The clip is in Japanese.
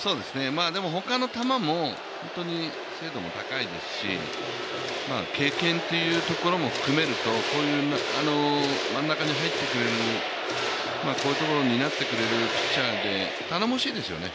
でもほかの球も、本当に精度も高いですし経験というところも含めるとこういう真ん中に入ってくるフォークボールになってくれるピッチャーって頼もしいですよね。